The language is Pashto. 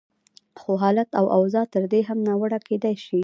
خو حالت او اوضاع تر دې هم ناوړه کېدای شي.